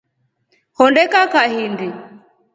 Honde kaa kahindu.